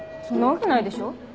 そんなわけないでしょ